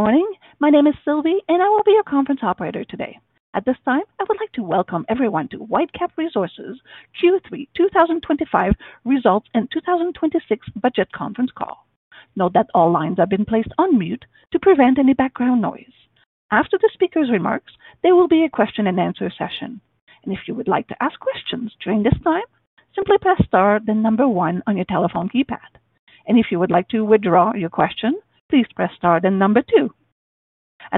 Morning. My name is Sylvie, and I will be your conference operator today. At this time, I would like to welcome everyone to Whitecap Resources Q3 2025 results and 2026 budget conference call. Note that all lines have been placed on mute to prevent any background noise. After the speaker's remarks, there will be a question and answer session. If you would like to ask questions during this time, simply press star then number one on your telephone keypad. If you would like to withdraw your question, please press star then number two.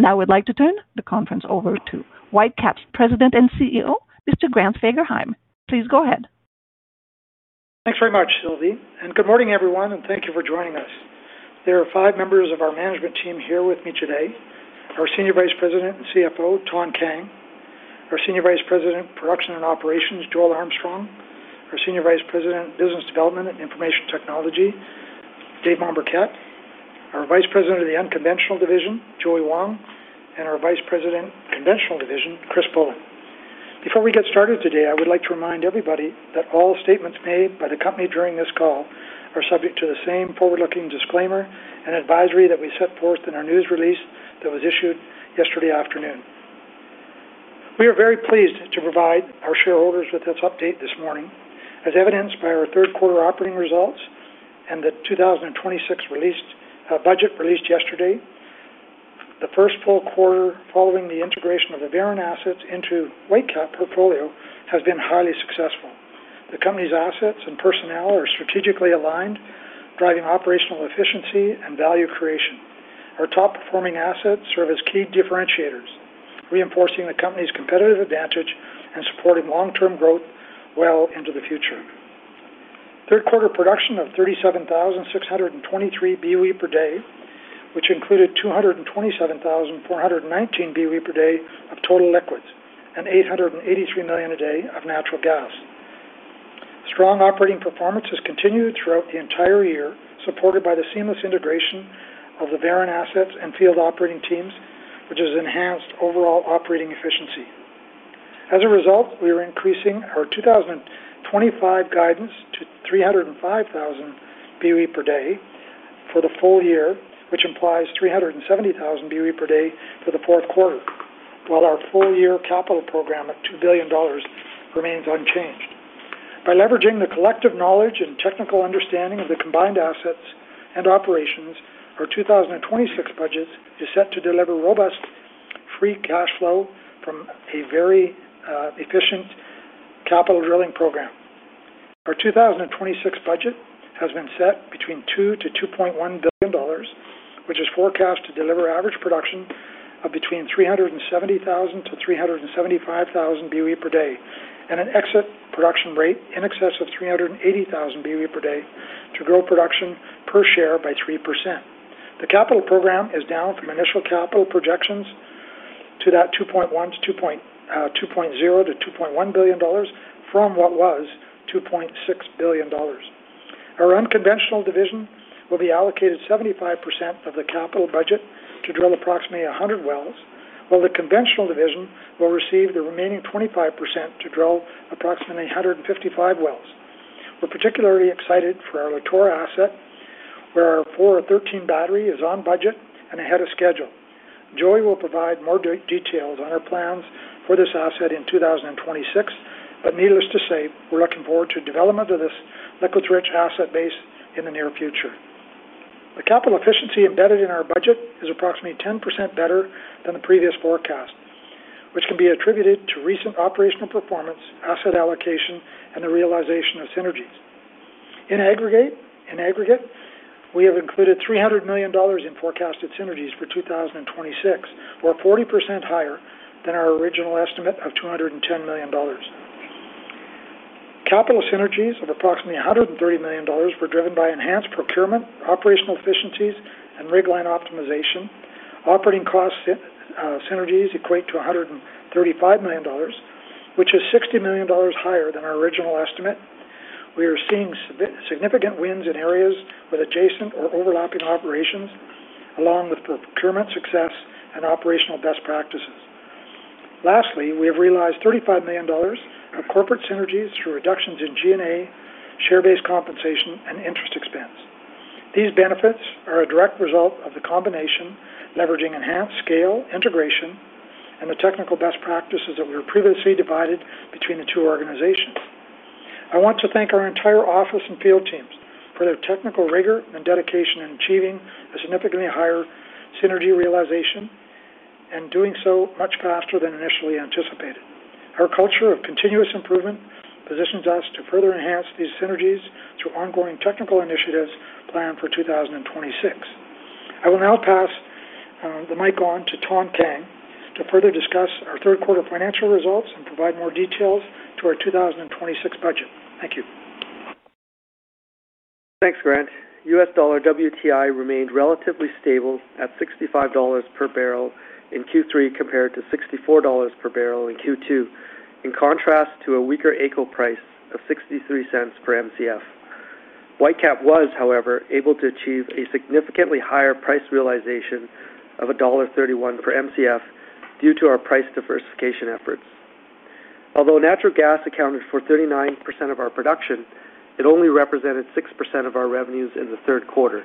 I would like to turn the conference over to Whitecap's President and CEO, Mr. Grant Fagerheim. Please go ahead. Thanks very much, Sylvie. Good morning, everyone, and thank you for joining us. There are five members of our management team here with me today: our Senior Vice President and CFO, Thanh Kang; our Senior Vice President, Production and Operations, Joel Armstrong; our Senior Vice President, Business Development and Information Technology, David Mombourquette; our Vice President of the Unconventional Division, Joey Wong; and our Vice President, Conventional Division, Chris Bullin. Before we get started today, I would like to remind everybody that all statements made by the company during this call are subject to the same forward-looking disclaimer and advisory that we set forth in our news release that was issued yesterday afternoon. We are very pleased to provide our shareholders with this update this morning. As evidenced by our third quarter operating results and the 2026 budget released yesterday, the first full quarter following the integration of the Veren assets into Whitecap portfolio has been highly successful. The company's assets and personnel are strategically aligned, driving operational efficiency and value creation. Our top-performing assets serve as key differentiators, reinforcing the company's competitive advantage and supporting long-term growth well into the future. Third quarter production of 37,623 BOE per day, which included 227,419 BOE per day of total liquids and 883 million a day of natural gas. Strong operating performance has continued throughout the entire year, supported by the seamless integration of the Veren assets and field operating teams, which has enhanced overall operating efficiency. As a result, we are increasing our 2025 guidance to 305,000 BOE per day for the full year, which implies 370,000 BOE per day for the fourth quarter, while our full-year capital program of $2 billion remains unchanged. By leveraging the collective knowledge and technical understanding of the combined assets and operations, our 2026 budget is set to deliver robust free cash flow from a very efficient capital drilling program. Our 2026 budget has been set between $2 billion-$2.1 billion, which is forecast to deliver average production of between 370,000 BOE-375,000 BOE per day and an exit production rate in excess of 380,000 BOE per day to grow production per share by 3%. The capital program is down from initial capital projections to that $2 billion-$2.1 billion from what was $2.6 billion. Our Unconventional Division will be allocated 75% of the capital budget to drill approximately 100 wells, while the Conventional Division will receive the remaining 25% to drill approximately 155 wells. We're particularly excited for our Lator asset, where our 413 battery is on budget and ahead of schedule. Joey will provide more details on our plans for this asset in 2026, but needless to say, we're looking forward to the development of this liquids-rich asset base in the near future. The capital efficiency embedded in our budget is approximately 10% better than the previous forecast, which can be attributed to recent operational performance, asset allocation, and the realization of synergies. In aggregate, we have included $300 million in forecasted synergies for 2026, or 40% higher than our original estimate of $210 million. Capital synergies of approximately $130 million were driven by enhanced procurement, operational efficiencies, and rig line optimization. Operating cost synergies equate to $135 million, which is $60 million higher than our original estimate. We are seeing significant wins in areas with adjacent or overlapping operations, along with procurement success and operational best practices. Lastly, we have realized $35 million of corporate synergies through reductions in G&A, share-based compensation, and interest expense. These benefits are a direct result of the combination leveraging enhanced scale, integration, and the technical best practices that were previously divided between the two organizations. I want to thank our entire office and field teams for their technical rigor and dedication in achieving a significantly higher synergy realization and doing so much faster than initially anticipated. Our culture of continuous improvement positions us to further enhance these synergies through ongoing technical initiatives planned for 2026. I will now pass the mic on to Thanh Kang. To further discuss our third quarter financial results and provide more details to our 2026 budget. Thank you. Thanks, Grant. U.S. Dollar WTI remained relatively stable at $65 per barrel in Q3 compared to $64 per barrel in Q2, in contrast to a weaker ACO price of $0.63 per Mcf. Whitecap was, however, able to achieve a significantly higher price realization of $1.31 per Mcf due to our price diversification efforts. Although natural gas accounted for 39% of our production, it only represented 6% of our revenues in the third quarter.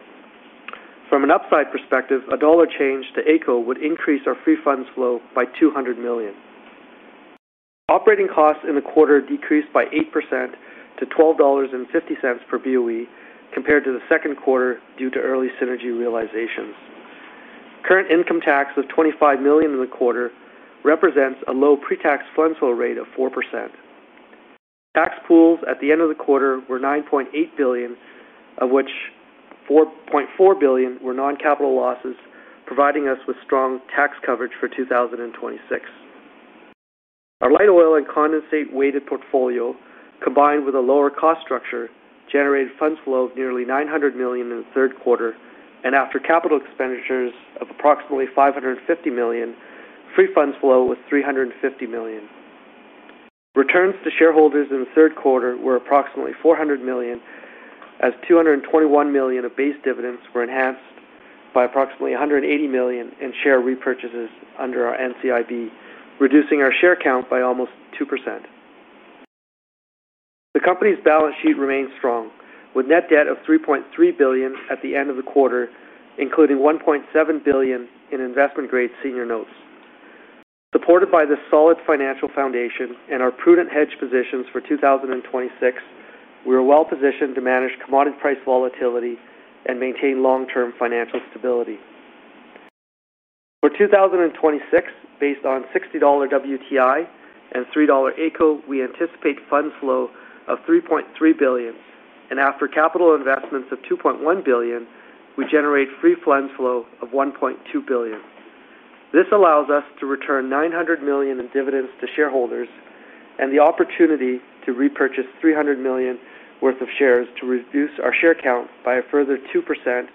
From an upside perspective, a dollar change to ACO would increase our free funds flow by $200 million. Operating costs in the quarter decreased by 8% to $12.50 per BOE compared to the second quarter due to early synergy realizations. Current income tax of $25 million in the quarter represents a low pre-tax funds flow rate of 4%. Tax pools at the end of the quarter were $9.8 billion, of which $4.4 billion were non-capital losses, providing us with strong tax coverage for 2026. Our light oil and condensate weighted portfolio, combined with a lower cost structure, generated funds flow of nearly $900 million in the third quarter, and after capital expenditures of approximately $550 million, free funds flow was $350 million. Returns to shareholders in the third quarter were approximately $400 million, as $221 million of base dividends were enhanced by approximately $180 million in share repurchases under our NCIB, reducing our share count by almost 2%. The company's balance sheet remains strong, with net debt of $3.3 billion at the end of the quarter, including $1.7 billion in investment-grade senior notes. Supported by the solid financial foundation and our prudent hedge positions for 2026, we are well positioned to manage commodity price volatility and maintain long-term financial stability. For 2026, based on $60 WTI and $3 ACO, we anticipate funds flow of $3.3 billion, and after capital investments of $2.1 billion, we generate free funds flow of $1.2 billion. This allows us to return $900 million in dividends to shareholders and the opportunity to repurchase $300 million worth of shares to reduce our share count by a further 2%,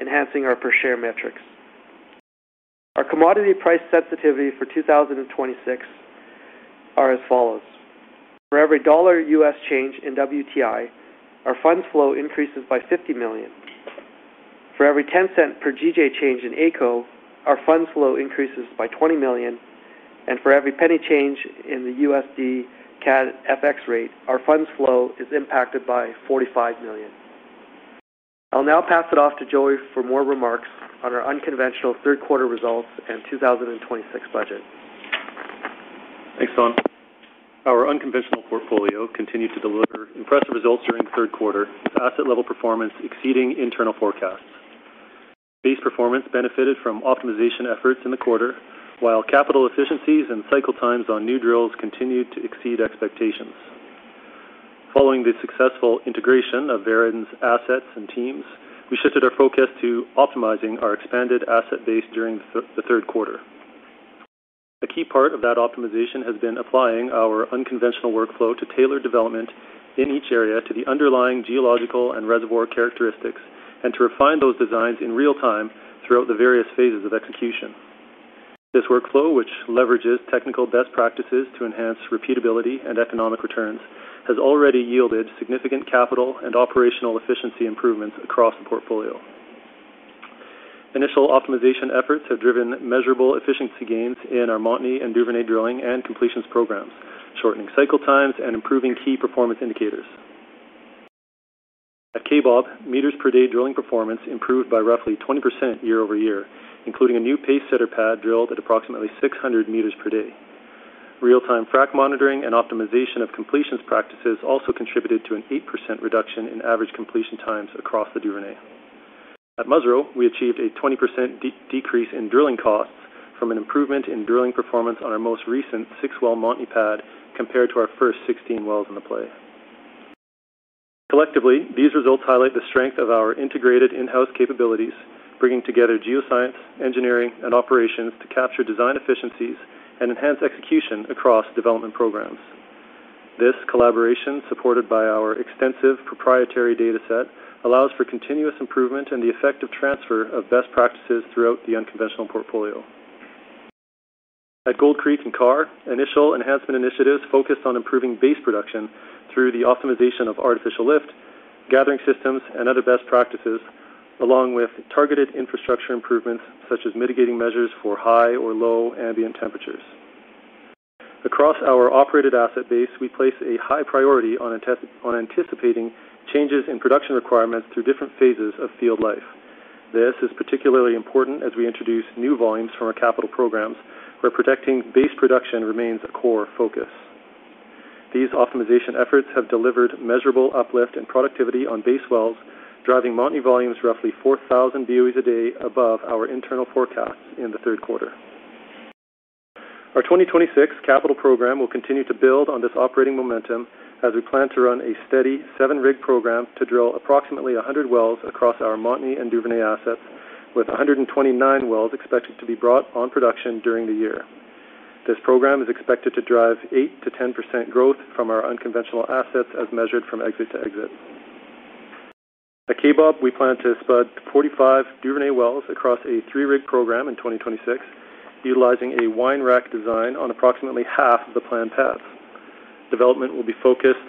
enhancing our per share metrics. Our commodity price sensitivity for 2026 are as follows: for every dollar U.S. change in WTI, our funds flow increases by $50 million. For every $0.10 per GJ change in ACO, our funds flow increases by $20 million, and for every penny change in the USD/CAD FX rate, our funds flow is impacted by $45 million. I'll now pass it off to Joey for more remarks on our unconventional third quarter results and 2026 budget. Thanks, Thanh. Our unconventional portfolio continued to deliver impressive results during the third quarter, asset-level performance exceeding internal forecasts. Base performance benefited from optimization efforts in the quarter, while capital efficiencies and cycle times on new drills continued to exceed expectations. Following the successful integration of Veren assets and teams, we shifted our focus to optimizing our expanded asset base during the third quarter. A key part of that optimization has been applying our unconventional workflow to tailor development in each area to the underlying geological and reservoir characteristics and to refine those designs in real time throughout the various phases of execution. This workflow, which leverages technical best practices to enhance repeatability and economic returns, has already yielded significant capital and operational efficiency improvements across the portfolio. Initial optimization efforts have driven measurable efficiency gains in our Montney and Duvernay drilling and completions programs, shortening cycle times and improving key performance indicators. At Kaybob, m per day drilling performance improved by roughly 20% year-over-year, including a new pacesetter pad drilled at approximately 600 m per day. Real-time frac monitoring and optimization of completions practices also contributed to an 8% reduction in average completion times across the Duvernay. At Musreau, we achieved a 20% decrease in drilling costs from an improvement in drilling performance on our most recent 6-well Montney pad compared to our first 16 wells in the play. Collectively, these results highlight the strength of our integrated in-house capabilities, bringing together geoscience, engineering, and operations to capture design efficiencies and enhance execution across development programs. This collaboration, supported by our extensive proprietary dataset, allows for continuous improvement and the effective transfer of best practices throughout the unconventional portfolio. At Gold Creek and Karr, initial enhancement initiatives focused on improving base production through the optimization of artificial lift, gathering systems, and other best practices, along with targeted infrastructure improvements such as mitigating measures for high or low ambient temperatures. Across our operated asset base, we place a high priority on anticipating changes in production requirements through different phases of field life. This is particularly important as we introduce new volumes from our capital programs, where protecting base production remains a core focus. These optimization efforts have delivered measurable uplift in productivity on base wells, driving Montney volumes roughly 4,000 BOE a day above our internal forecasts in the third quarter. Our 2026 capital program will continue to build on this operating momentum as we plan to run a steady seven-rig program to drill approximately 100 wells across our Montney and Duvernay assets, with 129 wells expected to be brought on production during the year. This program is expected to drive 8%-10% growth from our unconventional assets as measured from exit to exit. At Kaybob, we plan to spud 45 Duvernay wells across a three-rig program in 2026, utilizing a wine rack design on approximately 1/2f of the planned pads. Development will be focused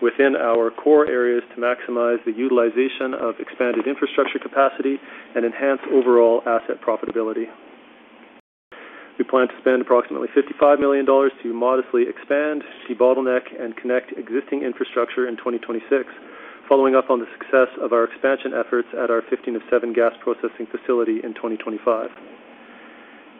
within our core areas to maximize the utilization of expanded infrastructure capacity and enhance overall asset profitability. We plan to spend approximately $55 million to modestly expand, debottleneck, and connect existing infrastructure in 2026, following up on the success of our expansion efforts at our 15 of 7 gas processing facility in 2025.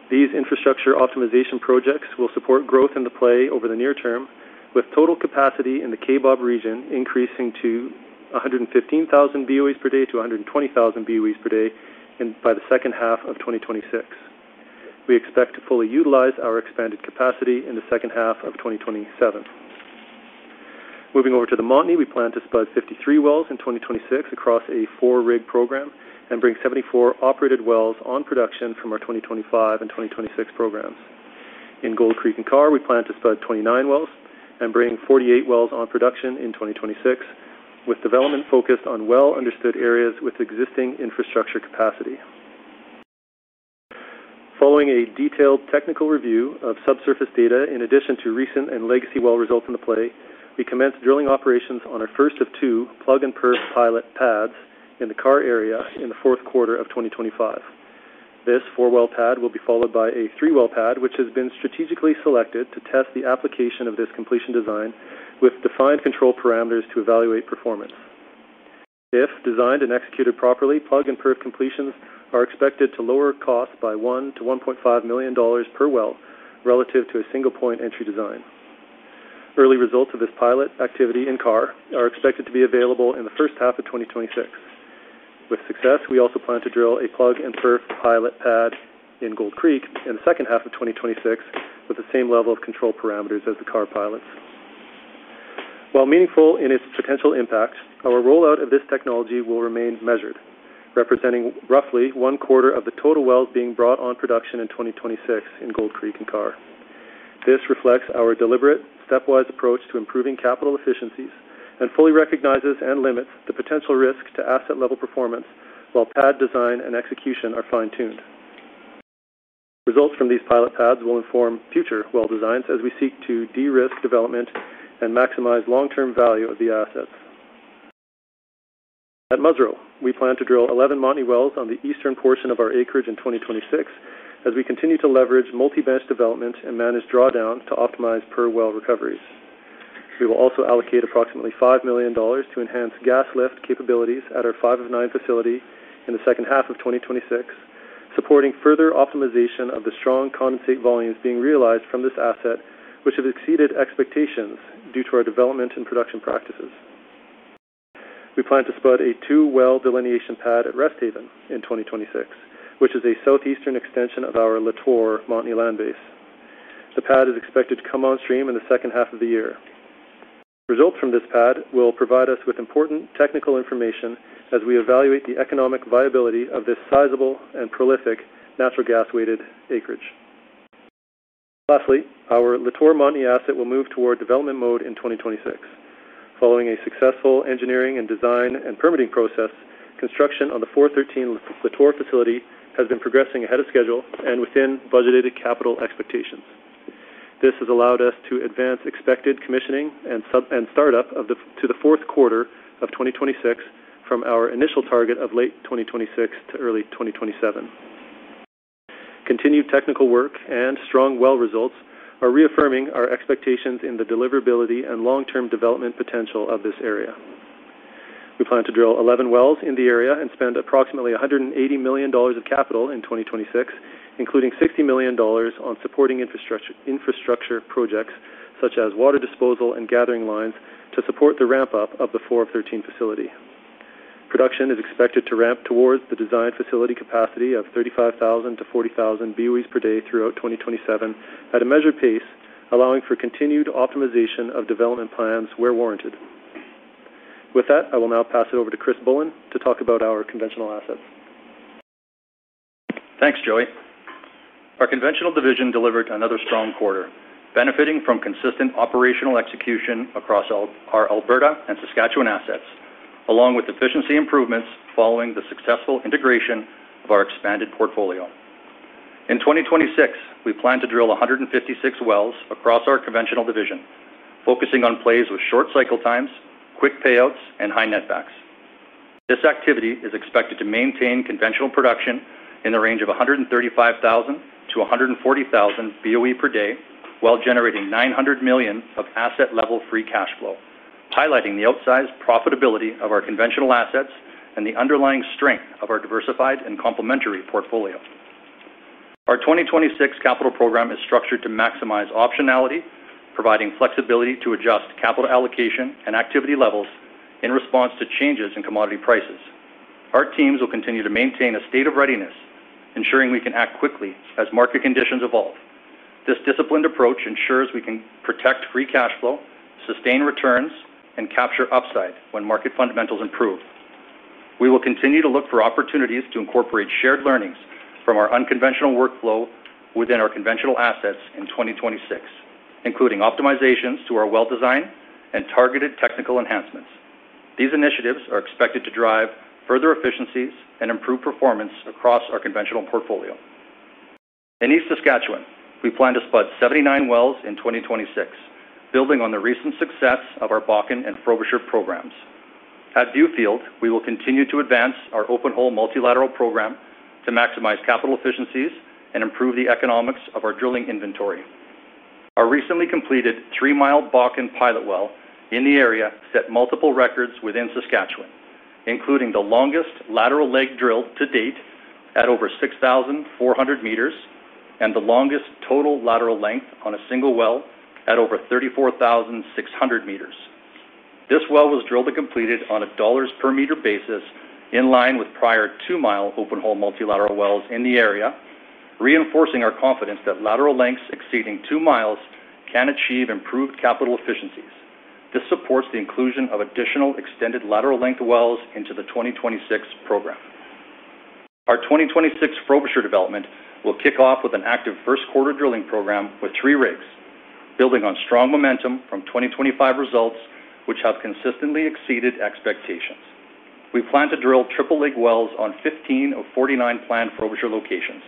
These infrastructure optimization projects will support growth in the play over the near term, with total capacity in the Kaybob region increasing to 115,000 BOE per day-120,000 BOE per day by the second half of 2026. We expect to fully utilize our expanded capacity in the second half of 2027. Moving over to the Montney, we plan to spud 53 wells in 2026 across a four-rig program and bring 74 operated wells on production from our 2025 and 2026 programs. In Gold Creek and Karr, we plan to spud 29 wells and bring 48 wells on production in 2026, with development focused on well-understood areas with existing infrastructure capacity. Following a detailed technical review of subsurface data, in addition to recent and legacy well results in the play, we commence drilling operations on our first of two plug-and-perf pilot pads in the Karr area in the fourth quarter of 2025. This four-well pad will be followed by a three-well pad, which has been strategically selected to test the application of this completion design with defined control param to evaluate performance. If designed and executed properly, plug-and-perf completions are expected to lower costs by $1 million-$1.5 million per well relative to a single-point entry design. Early results of this pilot activity in Karr are expected to be available in the first half of 2026. With success, we also plan to drill a plug-and-perf pilot pad in Gold Creek in the second half of 2026 with the same level of control param as the Karr pilots. While meaningful in its potential impact, our rollout of this technology will remain measured, representing roughly one quarter of the total wells being brought on production in 2026 in Gold Creek and Karr. This reflects our deliberate, stepwise approach to improving capital efficiencies and fully recognizes and limits the potential risk to asset-level performance while pad design and execution are fine-tuned. Results from these pilot pads will inform future well designs as we seek to de-risk development and maximize long-term value of the assets. At Musreau, we plan to drill 11 Montney wells on the eastern portion of our acreage in 2026 as we continue to leverage multi-bench development and manage drawdown to optimize per well recoveries. We will also allocate approximately $5 million to enhance gas lift capabilities at our 5-9 facility in the second half of 2026, supporting further optimization of the strong condensate volumes being realized from this asset, which have exceeded expectations due to our development and production practices. We plan to spud a two-well delineation pad at Resthaven in 2026, which is a southeastern extension of our Lator Montney land base. The pad is expected to come on stream in the second half of the year. Results from this pad will provide us with important technical information as we evaluate the economic viability of this sizable and prolific natural gas-weighted acreage. Lastly, our Lator Montney asset will move toward development mode in 2026. Following a successful engineering and design and permitting process, construction on the 4-13 Lator facility has been progressing ahead of schedule and within budgeted capital expectations. This has allowed us to advance expected commissioning and startup to the fourth quarter of 2026 from our initial target of late 2026 to early 2027. Continued technical work and strong well results are reaffirming our expectations in the deliverability and long-term development potential of this area. We plan to drill 11 wells in the area and spend approximately $180 million of capital in 2026, including $60 million on supporting infrastructure projects such as water disposal and gathering lines to support the ramp-up of the 4 of 13 facility. Production is expected to ramp towards the design facility capacity of 35,000 BOE-40,000 BOE per day throughout 2027 at a measured pace, allowing for continued optimization of development plans where warranted. With that, I will now pass it over to Chris Bullin to talk about our conventional assets. Thanks, Joey. Our Conventional Division delivered another strong quarter, benefiting from consistent operational execution across our Alberta and Saskatchewan assets, along with efficiency improvements following the successful integration of our expanded portfolio. In 2026, we plan to drill 156 wells across our Conventional Division, focusing on plays with short cycle times, quick payouts, and high net backs. This activity is expected to maintain conventional production in the range of 135,000 BOE-140,000 BOE per day, while generating $900 million of asset-level free cash flow, highlighting the outsized profitability of our conventional assets and the underlying strength of our diversified and complementary portfolio. Our 2026 capital program is structured to maximize optionality, providing flexibility to adjust capital allocation and activity levels in response to changes in commodity prices. Our teams will continue to maintain a state of readiness, ensuring we can act quickly as market conditions evolve. This disciplined approach ensures we can protect free cash flow, sustain returns, and capture upside when market fundamentals improve. We will continue to look for opportunities to incorporate shared learnings from our unconventional workflow within our conventional assets in 2026, including optimizations to our well design and targeted technical enhancements. These initiatives are expected to drive further efficiencies and improve performance across our conventional portfolio. In East Saskatchewan, we plan to spud 79 wells in 2026, building on the recent success of our Bakken and Frobisher programs. At Viewfield, we will continue to advance our open-hole multilateral program to maximize capital efficiencies and improve the economics of our drilling inventory. Our recently completed three-mile Bakken pilot well in the area set multiple records within Saskatchewan, including the longest lateral leg drilled to date at over 6,400 m and the longest total lateral length on a single well at over 34,600 m. This well was drilled and completed on a dollars-per-m basis in line with prior two-mile open-hole multilateral wells in the area, reinforcing our confidence that lateral lengths exceeding two miles can achieve improved capital efficiencies. This supports the inclusion of additional extended lateral length wells into the 2026 program. Our 2026 Frobisher development will kick off with an active first quarter drilling program with three rigs, building on strong momentum from 2025 results, which have consistently exceeded expectations. We plan to drill triple-leg wells on 15 of 49 planned Frobisher locations,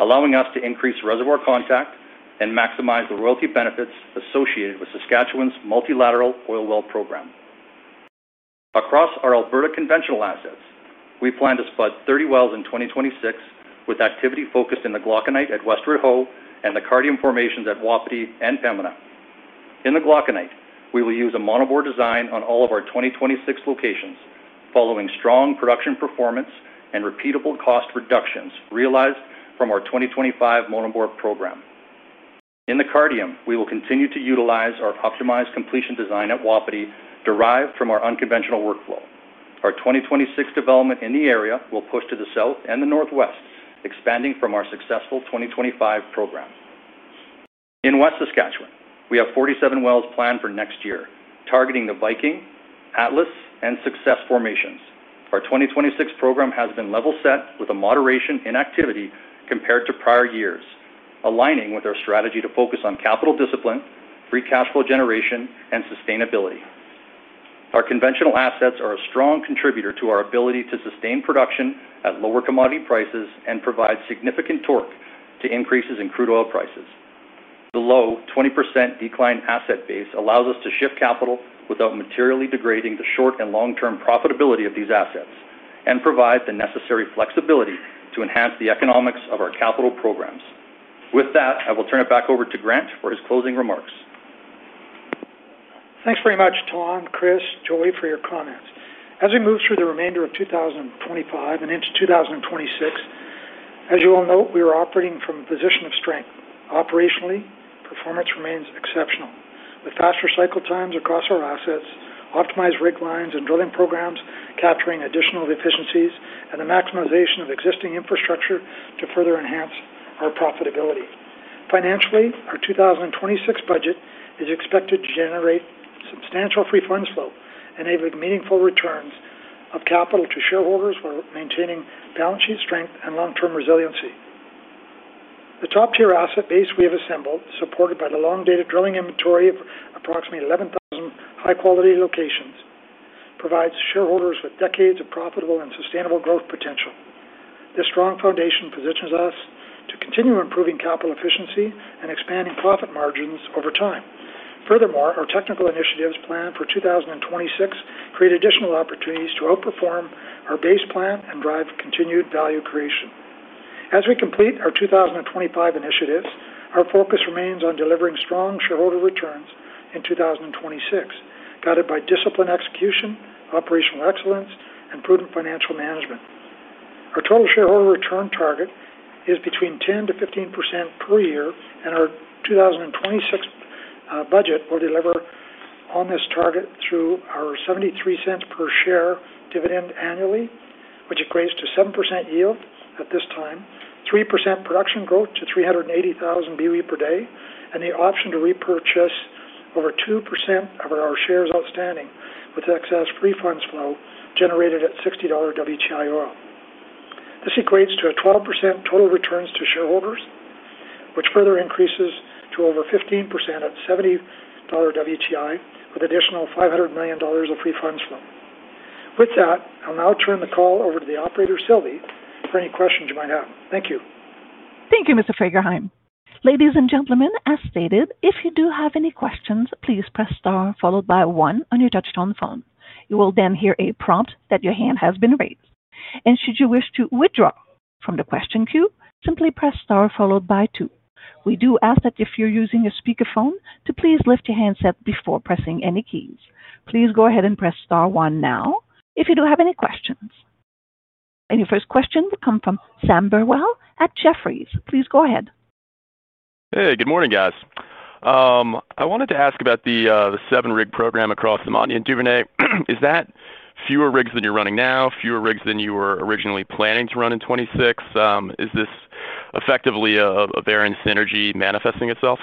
allowing us to increase reservoir contact and maximize the royalty benefits associated with Saskatchewan's multilateral oil well program. Across our Alberta conventional assets, we plan to spud 30 wells in 2026 with activity focused in the Glauconite at Westward Ho and the Cardium Formations at Wapiti and Pembina. In the Glauconite, we will use a monoboard design on all of our 2026 locations, following strong production performance and repeatable cost reductions realized from our 2025 monoboard program. In the Cardium, we will continue to utilize our optimized completion design at Wapiti, derived from our unconventional workflow. Our 2026 development in the area will push to the south and the northwest, expanding from our successful 2025 program. In West Saskatchewan, we have 47 wells planned for next year, targeting the Viking, Atlas, and Success Formations. Our 2026 program has been level set with a moderation in activity compared to prior years, aligning with our strategy to focus on capital discipline, free cash flow generation, and sustainability. Our conventional assets are a strong contributor to our ability to sustain production at lower commodity prices and provide significant torque to increases in crude oil prices. The low 20% decline asset base allows us to shift capital without materially degrading the short and long-term profitability of these assets and provides the necessary flexibility to enhance the economics of our capital programs. With that, I will turn it back over to Grant for his closing remarks. Thanks very much, Thanh, Chris, and Joey for your comments. As we move through the remainder of 2025 and into 2026, as you all note, we are operating from a position of strength. Operationally, performance remains exceptional, with faster cycle times across our assets, optimized rig lines and drilling programs capturing additional efficiencies, and the maximization of existing infrastructure to further enhance our profitability. Financially, our 2026 budget is expected to generate substantial free funds flow, enabling meaningful returns of capital to shareholders while maintaining balance sheet strength and long-term resiliency. The top-tier asset base we have assembled, supported by the long-dated drilling inventory of approximately 11,000 high-quality locations, provides shareholders with decades of profitable and sustainable growth potential. This strong foundation positions us to continue improving capital efficiency and expanding profit margins over time. Furthermore, our technical initiatives planned for 2026 create additional opportunities to outperform our base plan and drive continued value creation. As we complete our 2025 initiatives, our focus remains on delivering strong shareholder returns in 2026, guided by disciplined execution, operational excellence, and prudent financial management. Our total shareholder return target is between 10% to 15% per year, and our 2026 budget will deliver on this target through our $0.73 per share dividend annually, which equates to 7% yield at this time, 3% production growth to 380,000 BOE per day, and the option to repurchase over 2% of our shares outstanding with excess free funds flow generated at $60 WTI. This equates to a 12% total returns to shareholders, which further increases to over 15% at $70 WTI with additional $500 million of free funds flow. With that, I'll now turn the call over to the operator, Sylvie, for any questions you might have. Thank you. Thank you, Mr. Fagerheim. Ladies and gentlemen, as stated, if you do have any questions, please press star followed by one on your touch-tone phone. You will then hear a prompt that your hand has been raised. Should you wish to withdraw from the question queue, simply press star followed by two. We do ask that if you're using a speakerphone, please lift your handset before pressing any keys. Please go ahead and press star one now if you do have any questions. Your first question will come from Sam Burwell at Jefferies. Please go ahead. Hey, good morning, guys. I wanted to ask about the seven-rig program across the Montney and Duvernay. Is that fewer rigs than you're running now, fewer rigs than you were originally planning to run in 2026? Is this effectively a Veren synergy manifesting itself?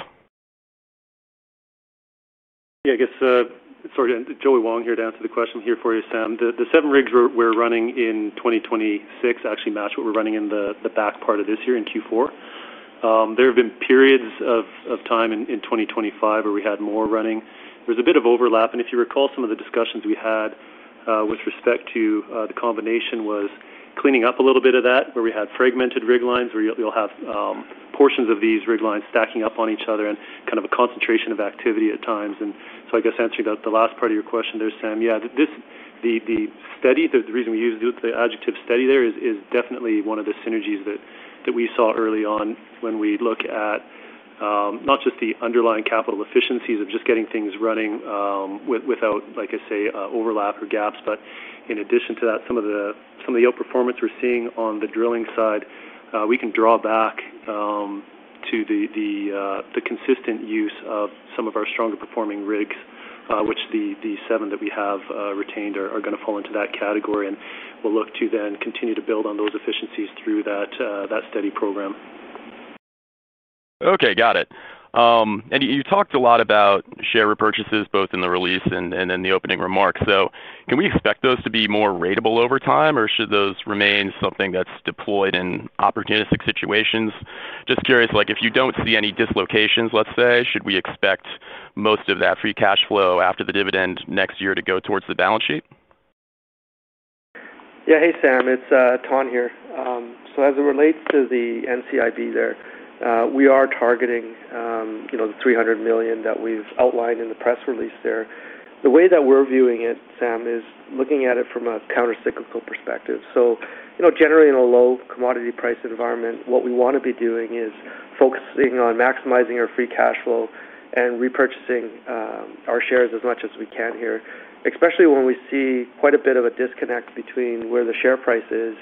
Yeah, I guess, sorry, Joey Wong here to answer the question. I'm here for you, Sam. The seven rigs we're running in 2026 actually match what we're running in the back part of this year in Q4. There have been periods of time in 2025 where we had more running. There's a bit of overlap, and if you recall some of the discussions we had with respect to the combination was cleaning up a little bit of that where we had fragmented rig lines where you'll have portions of these rig lines stacking up on each other and a concentration of activity at times. I guess answering the last part of your question there, Sam, yeah, the reason we use the adjective steady there is definitely one of the synergies that we saw early on when we look at not just the underlying capital efficiencies of just getting things running without, like I say, overlap or gaps, but in addition to that, some of the outperformance we're seeing on the drilling side, we can draw back to the consistent use of some of our stronger performing rigs, which the seven that we have retained are going to fall into that category, and we'll look to then continue to build on those efficiencies through that steady program. Okay, got it. You talked a lot about share repurchases both in the release and in the opening remarks. Can we expect those to be more ratable over time, or should those remain something that's deployed in opportunistic situations? Just curious, if you don't see any dislocations, let's say, should we expect most of that free cash flow after the dividend next year to go towards the balance sheet? Yeah, hey, Sam, it's Thanh here. As it relates to the NCIB, we are targeting the $300 million that we've outlined in the press release. The way that we're viewing it, Sam, is looking at it from a countercyclical perspective. Generally, in a low commodity price environment, what we want to be doing is focusing on maximizing our free cash flow and repurchasing our shares as much as we can, especially when we see quite a bit of a disconnect between where the share price is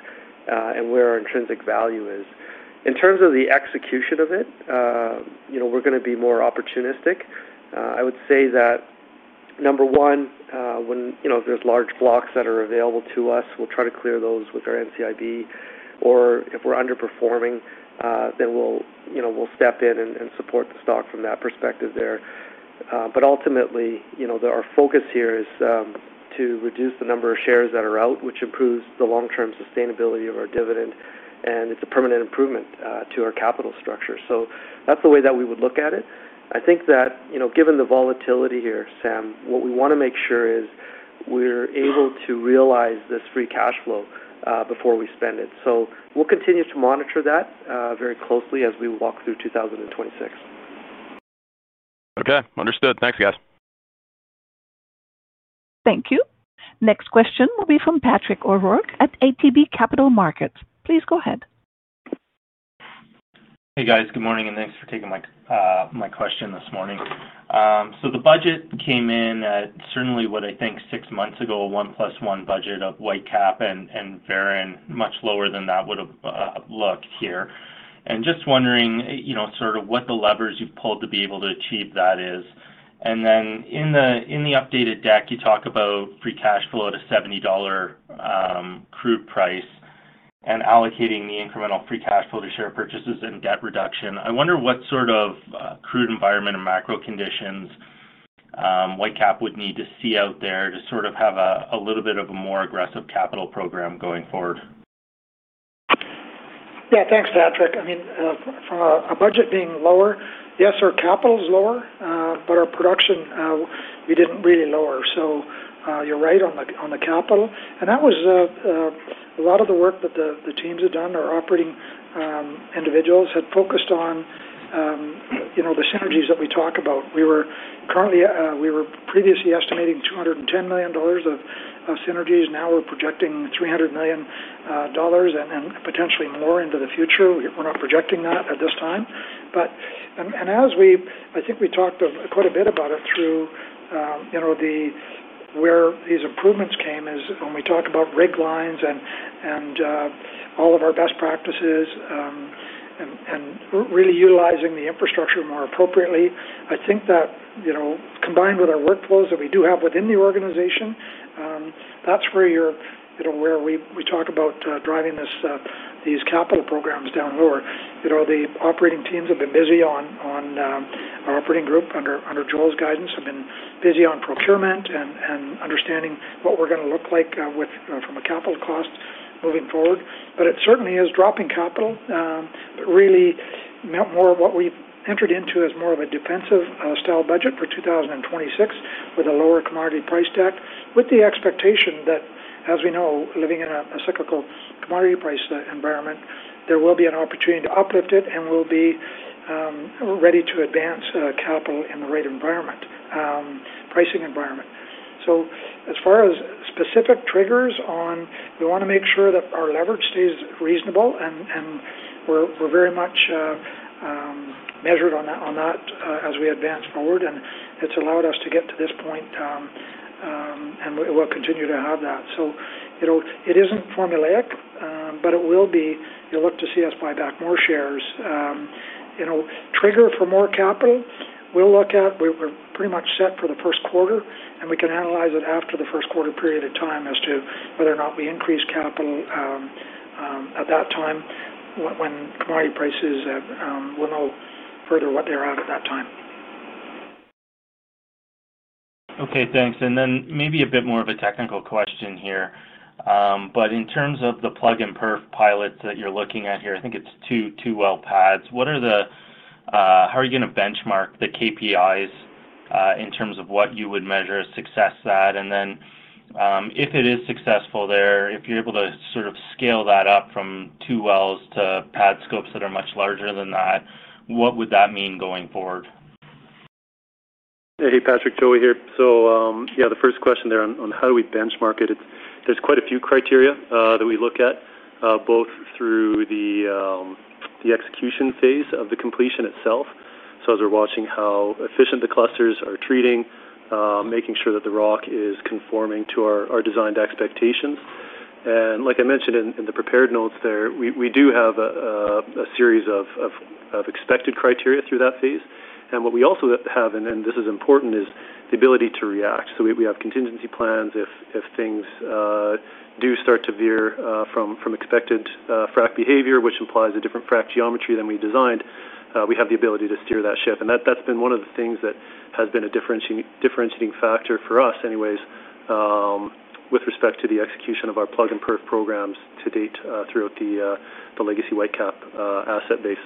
and where our intrinsic value is. In terms of the execution of it, we're going to be more opportunistic. I would say that, number one, when there's large blocks that are available to us, we'll try to clear those with our NCIB, or if we're underperforming, then we'll step in and support the stock from that perspective. Ultimately, our focus is to reduce the number of shares that are out, which improves the long-term sustainability of our dividend, and it's a permanent improvement to our capital structure. That's the way that we would look at it. I think that, given the volatility here, Sam, what we want to make sure is we're able to realize this free cash flow before we spend it. We'll continue to monitor that very closely as we walk through 2026. Okay, understood. Thanks, guys. Thank you. Next question will be from Patrick O'Rourke at ATB Capital Markets. Please go ahead. Hey, guys, good morning, and thanks for taking my question this morning. The budget came in at certainly what I think six months ago, a one plus one budget of Whitecap and Veren, much lower than that would have looked here. I'm just wondering, you know, sort of what the levers you've pulled to be able to achieve that is. In the updated deck, you talk about free cash flow at a $70 crude price and allocating the incremental free cash flow to share purchases and debt reduction. I wonder what sort of crude environment or macro conditions Whitecap would need to see out there to sort of have a little bit of a more aggressive capital program going forward. Yeah, thanks, Patrick. I mean, from a budget being lower, yes, our capital is lower, but our production, we didn't really lower. You're right on the capital. That was a lot of the work that the teams had done. Our operating individuals had focused on the synergies that we talk about. We were previously estimating $210 million of synergies. Now we're projecting $300 million and potentially more into the future. We're not projecting that at this time. As we, I think we talked quite a bit about it through, you know, where these improvements came is when we talk about rig lines and all of our best practices and really utilizing the infrastructure more appropriately. I think that, you know, combined with our workflows that we do have within the organization, that's where you're, you know, where we talk about driving these capital programs down lower. The operating teams have been busy on our operating group under Joel's guidance, have been busy on procurement and understanding what we're going to look like from a capital cost moving forward. It certainly is dropping capital. It really meant more of what we entered into as more of a defensive style budget for 2026 with a lower commodity price deck, with the expectation that, as we know, living in a cyclical commodity price environment, there will be an opportunity to uplift it and we'll be ready to advance capital in the right environment, pricing environment. As far as specific triggers on, we want to make sure that our leverage stays reasonable and we're very much measured on that as we advance forward. It's allowed us to get to this point, and we'll continue to have that. It isn't formulaic, but you'll look to see us buy back more shares. Trigger for more capital, we'll look at, we're pretty much set for the first quarter, and we can analyze it after the first quarter period of time as to whether or not we increase capital at that time when commodity prices will know further what they're at at that time. Okay, thanks. Maybe a bit more of a technical question here. In terms of the plug-and-perf pilots that you're looking at here, I think it's two well pads. What are the, how are you going to benchmark the KPIs in terms of what you would measure a success at? If it is successful there, if you're able to sort of scale that up from two wells to pad scopes that are much larger than that, what would that mean going forward? Yeah, hey, Patrick, Joey here. The first question there on how do we benchmark it, there's quite a few criteria that we look at, both through the execution phase of the completion itself. As we're watching how efficient the clusters are treating, making sure that the rock is conforming to our designed expectations. Like I mentioned in the prepared notes there, we do have a series of expected criteria through that phase. What we also have, and this is important, is the ability to react. We have contingency plans if things do start to veer from expected frac behavior, which implies a different frac geometry than we designed. We have the ability to steer that ship. That's been one of the things that has been a differentiating factor for us anyways with respect to the execution of our plug-and-perf programs to date throughout the legacy Whitecap asset base.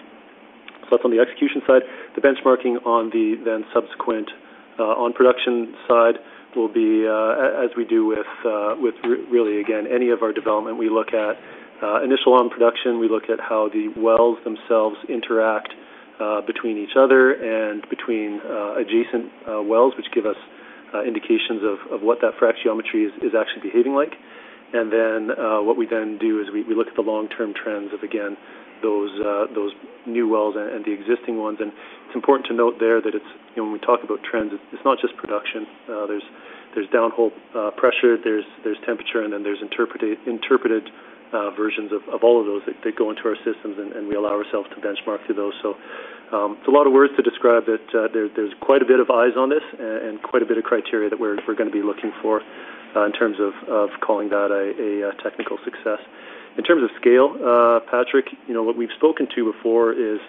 That's on the execution side. The benchmarking on the then subsequent on-production side will be, as we do with really, again, any of our development, we look at initial on-production, we look at how the wells themselves interact between each other and between adjacent wells, which give us indications of what that frac geometry is actually behaving like. Then what we do is we look at the long-term trends of, again, those new wells and the existing ones. It's important to note there that when we talk about trends, it's not just production. There's downhole pressure, there's temperature, and then there's interpreted versions of all of those that go into our systems, and we allow ourselves to benchmark through those. It's a lot of words to describe that there's quite a bit of eyes on this and quite a bit of criteria that we're going to be looking for in terms of calling that a technical success. In terms of scale, Patrick, you know what we've spoken to before is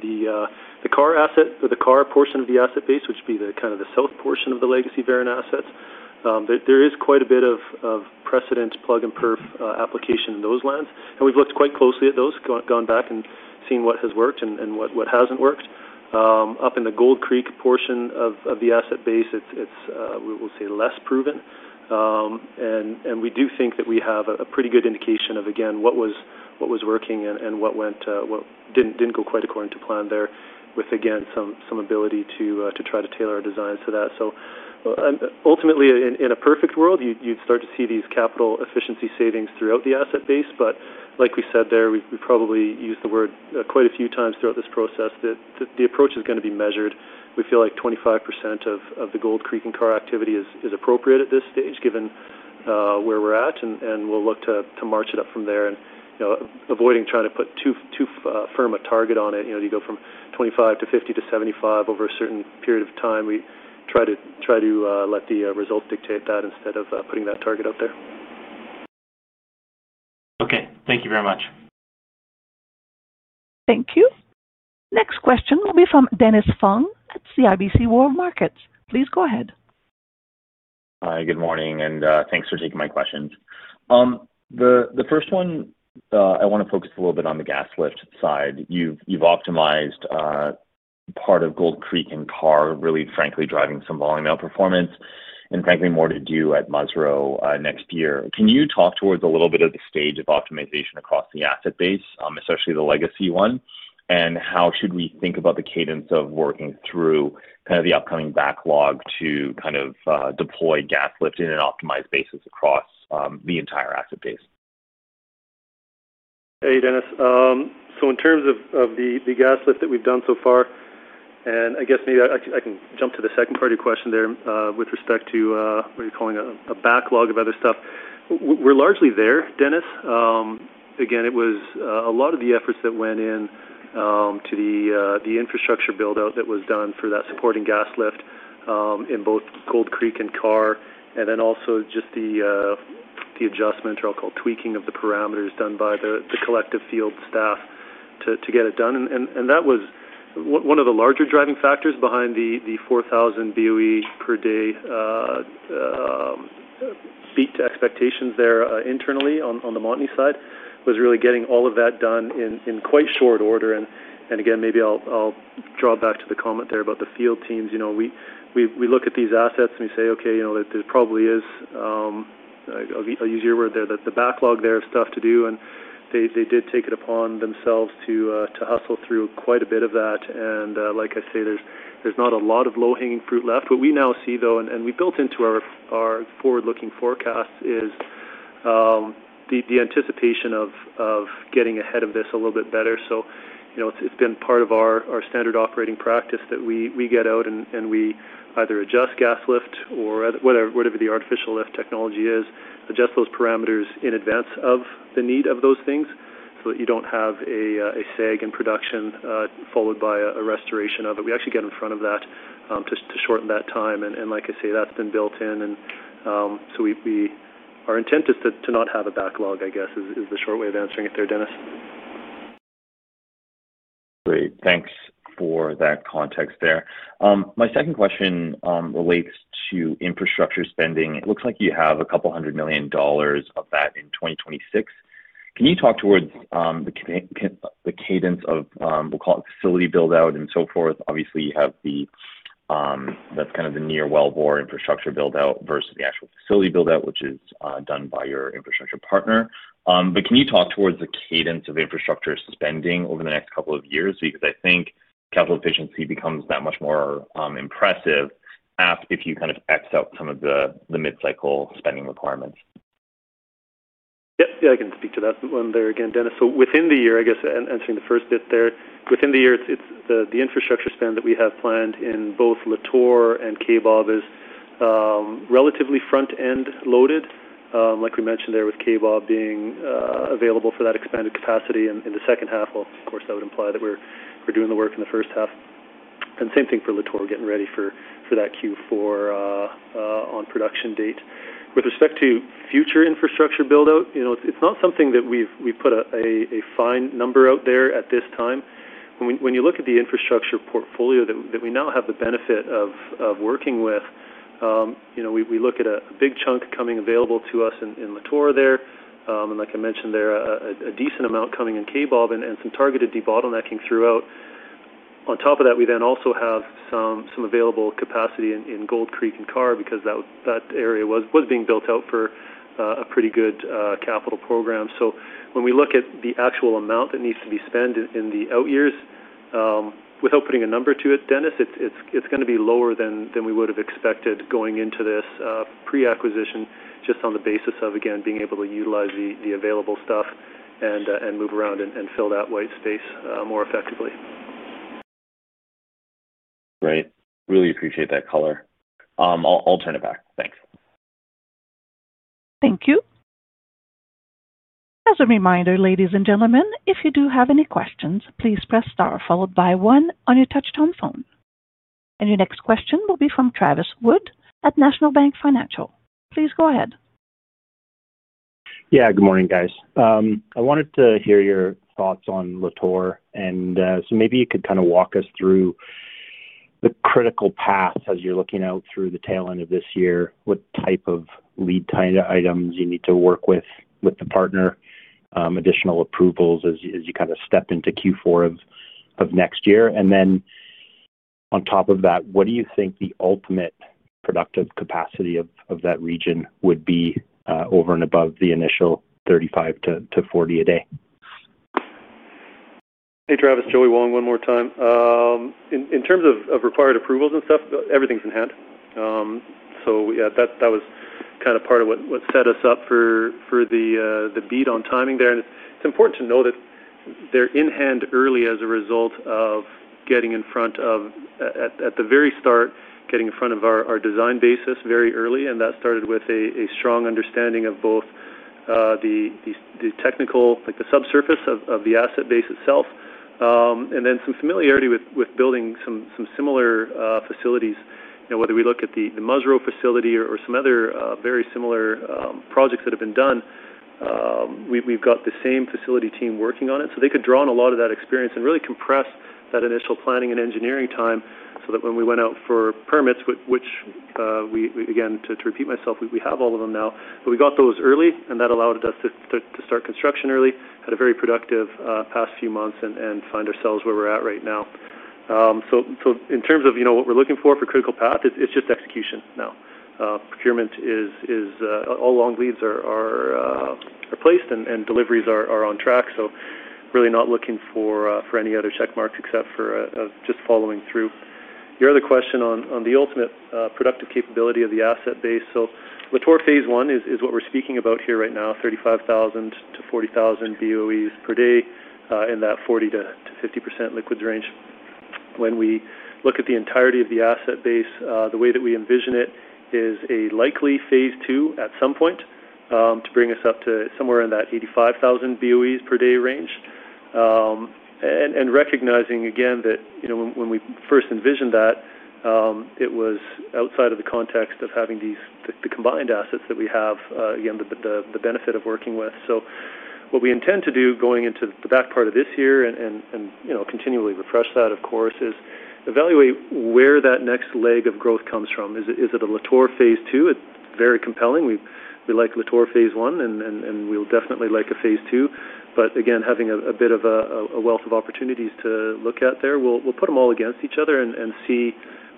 the Karr asset, the Karr portion of the asset base, which would be the kind of the south portion of the legacy Veren assets. There is quite a bit of precedent plug-and-perf application in those lands. We've looked quite closely at those, gone back and seen what has worked and what hasn't worked. Up in the Gold Creek portion of the asset base, it's, we'll say, less proven. We do think that we have a pretty good indication of, again, what was working and what didn't go quite according to plan there with, again, some ability to try to tailor our designs to that. Ultimately, in a perfect world, you'd start to see these capital efficiency savings throughout the asset base. Like we said there, we've probably used the word quite a few times throughout this process that the approach is going to be measured. We feel like 25% of the Gold Creek and Karr activity is appropriate at this stage, given where we're at, and we'll look to march it up from there. Avoiding trying to put too firm a target on it, you know, you go from 25%-50% to 75% over a certain period of time, we try to let the results dictate that instead of putting that target out there. Okay, thank you very much. Thank you. Next question will be from Dennis Fong at CIBC Global Markets. Please go ahead. Hi, good morning, and thanks for taking my questions. The first one, I want to focus a little bit on the gas lift side. You've optimized part of Gold Creek and Karr, really, frankly, driving some volume outperformance and, frankly, more to do at Musreau next year. Can you talk towards a little bit of the stage of optimization across the asset base, especially the legacy one, and how should we think about the cadence of working through kind of the upcoming backlog to kind of deploy gas lifting and optimize bases across the entire asset base? Hey, Dennis. In terms of the gas lift that we've done so far, and I guess maybe I can jump to the second part of your question there with respect to what you're calling a backlog of other stuff, we're largely there, Dennis. It was a lot of the efforts that went into the infrastructure build-out that was done for that supporting gas lift in both Gold Creek and Karr, and then also just the adjustment, or I'll call it tweaking, of the param done by the collective field staff to get it done. That was one of the larger driving factors behind the 4,000 BOE per day beat to expectations there internally on the Montney side, really getting all of that done in quite short order. Maybe I'll draw back to the comment there about the field teams. We look at these assets and we say, okay, there probably is, I'll use your word there, the backlog there of stuff to do, and they did take it upon themselves to hustle through quite a bit of that. Like I say, there's not a lot of low-hanging fruit left. What we now see, though, and we built into our forward-looking forecasts, is the anticipation of getting ahead of this a little bit better. It's been part of our standard operating practice that we get out and we either adjust gas lift or whatever the artificial lift technology is, adjust those param in advance of the need of those things so that you don't have a sag in production followed by a restoration of it. We actually get in front of that to shorten that time. Like I say, that's been built in. Our intent is to not have a backlog, I guess, is the short way of answering it there, Dennis. Great, thanks for that context there. My second question relates to infrastructure spending. It looks like you have a couple hundred million dollars of that in 2026. Can you talk towards the cadence of, we'll call it facility build-out and so forth? Obviously, you have the, that's kind of the near wellbore infrastructure build-out versus the actual facility build-out, which is done by your infrastructure partner. Can you talk towards the cadence of infrastructure spending over the next couple of years? I think capital efficiency becomes that much more impressive if you kind of X out some of the mid-cycle spending requirements. Yeah, I can speak to that one there again, Dennis. Within the year, I guess, answering the first bit there, within the year, the infrastructure spend that we have planned in both Lator and Kaybob is relatively front-end loaded, like we mentioned there with Kaybob being available for that expanded capacity in the second half. That would imply that we're doing the work in the first half. Same thing for Lator, getting ready for that Q4 on production date. With respect to future infrastructure build-out, it's not something that we've put a fine number out there at this time. When you look at the infrastructure portfolio that we now have the benefit of working with, we look at a big chunk coming available to us in Lator there. Like I mentioned there, a decent amount coming in Kaybob and some targeted debottlenecking throughout. On top of that, we then also have some available capacity in Gold Creek and Karr because that area was being built out for a pretty good capital program. When we look at the actual amount that needs to be spent in the out years, without putting a number to it, Dennis, it's going to be lower than we would have expected going into this pre-acquisition just on the basis of, again, being able to utilize the available stuff and move around and fill that white space more effectively. Great. Really appreciate that color. I'll turn it back. Thanks. Thank you. As a reminder, ladies and gentlemen, if you do have any questions, please press star followed by one on your touch-tone phone. Your next question will be from Travis Wood at National Bank Financial. Please go ahead. Yeah, good morning, guys. I wanted to hear your thoughts on Lator. Maybe you could kind of walk us through the critical path as you're looking out through the tail end of this year, what type of lead time items you need to work with the partner, additional approvals as you kind of step into Q4 of next year. On top of that, what do you think the ultimate productive capacity of that region would be over and above the initial 35 to 40 a day? Hey, Travis, Joey Wong one more time. In terms of required approvals and stuff, everything's in hand. That was kind of part of what set us up for the beat on timing there. It's important to know that they're in hand early as a result of getting in front of, at the very start, getting in front of our design basis very early. That started with a strong understanding of both the technical, like the subsurface of the asset base itself, and then some familiarity with building some similar facilities. Whether we look at the Musreau facility or some other very similar projects that have been done, we've got the same facility team working on it. They could draw on a lot of that experience and really compress that initial planning and engineering time so that when we went out for permits, which we, again, to repeat myself, we have all of them now, but we got those early and that allowed us to start construction early, had a very productive past few months, and find ourselves where we're at right now. In terms of what we're looking for for critical path, it's just execution now. Procurement is all long leads are placed and deliveries are on track. Really not looking for any other check marks except for just following through. Your other question on the ultimate productive capability of the asset base. Lator phase one is what we're speaking about here right now, 35,000 BOE-40,000 BOE per day in that 40%-50% liquids range. When we look at the entirety of the asset base, the way that we envision it is a likely phase two at some point to bring us up to somewhere in that 85,000 BOE per day range. Recognizing, again, that when we first envisioned that, it was outside of the context of having the combined assets that we have, again, the benefit of working with. What we intend to do going into the back part of this year and continually refresh that, of course, is evaluate where that next leg of growth comes from. Is it a Lator phase two? It's very compelling. We like Lator phase one and we'll definitely like a phase two. Again, having a bit of a wealth of opportunities to look at there, we'll put them all against each other and see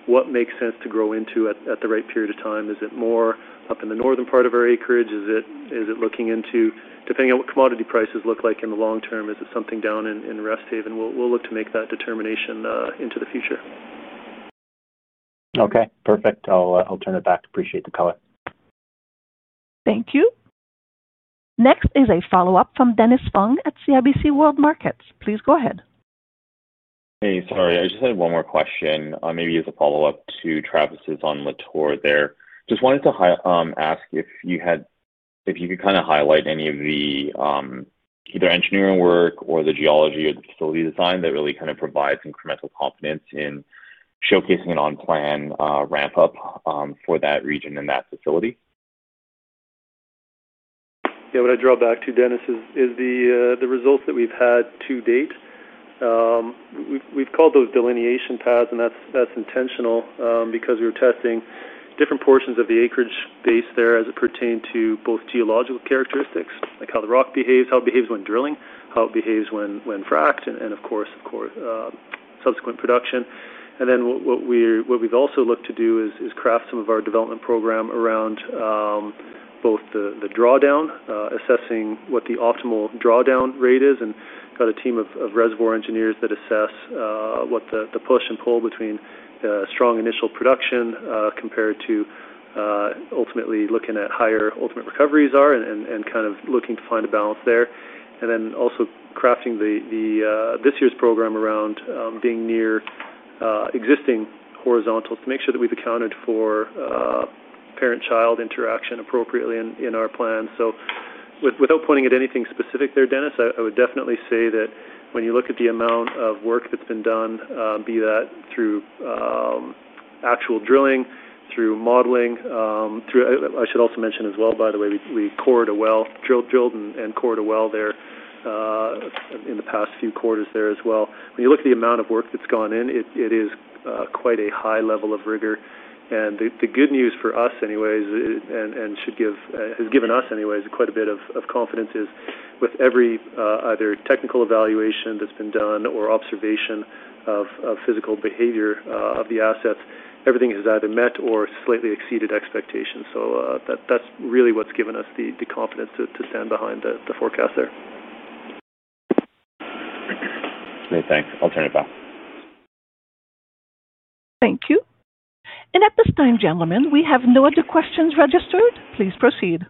what makes sense to grow into at the right period of time. Is it more up in the northern part of our acreage? Is it looking into, depending on what commodity prices look like in the long term, is it something down in Resthaven? We'll look to make that determination into the future. Okay, perfect. I appreciate the color. Thank you. Next is a follow-up from Dennis Fong at CIBC Global Markets. Please go ahead. Hey, sorry, I just had one more question. Maybe as a follow-up to Travis's on Lator there. Just wanted to ask if you could kind of highlight any of the either engineering work or the geology or the facility design that really kind of provides incremental confidence in showcasing an on-plan ramp-up for that region in that facility. Yeah, what I draw back to, Dennis, is the results that we've had to date. We've called those delineation paths and that's intentional because we were testing different portions of the acreage base there as it pertained to both geological characteristics, like how the rock behaves, how it behaves when drilling, how it behaves when fracked, and of course, subsequent production. What we've also looked to do is craft some of our development program around both the drawdown, assessing what the optimal drawdown rate is, and got a team of reservoir engineers that assess what the push and pull between strong initial production compared to ultimately looking at higher ultimate recoveries are and kind of looking to find a balance there. Also, crafting this year's program around being near existing horizontals to make sure that we've accounted for parent-child interaction appropriately in our plan. Without pointing at anything specific there, Dennis, I would definitely say that when you look at the amount of work that's been done, be that through actual drilling, through modeling, I should also mention as well, by the way, we cored a well, drilled and cored a well there in the past few quarters there as well. When you look at the amount of work that's gone in, it is quite a high level of rigor. The good news for us anyways, and should give, has given us anyways, quite a bit of confidence is with every either technical evaluation that's been done or observation of physical behavior of the assets, everything has either met or slightly exceeded expectations. That's really what's given us the confidence to stand behind the forecast there. Great, thanks. I'll turn it back. Thank you. At this time, gentlemen, we have no other questions registered. Please proceed.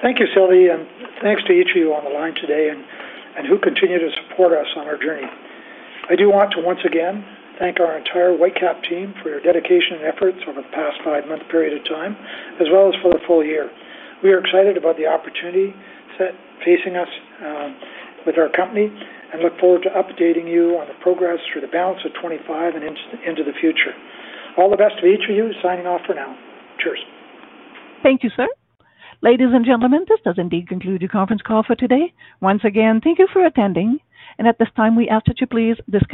Thank you, Sylvie, and thanks to each of you on the line today and who continue to support us on our journey. I do want to once again thank our entire Whitecap team for your dedication and efforts over the past five-month period of time, as well as for the full year. We are excited about the opportunity facing us with our company and look forward to updating you on the progress through the balance of 2025 and into the future. All the best to each of you, signing off for now. Cheers. Thank you, sir. Ladies and gentlemen, this does indeed conclude your conference call for today. Once again, thank you for attending. At this time, we ask that you please disconnect.